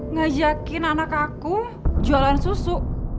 ngajakin anak aku jualan susu